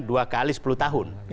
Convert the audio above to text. dua kali sepuluh tahun